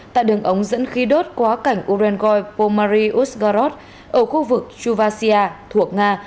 tại đường ống dẫn khí đốt qua cảnh urengoy pomary uzgarod ở khu vực chuvashia thuộc nga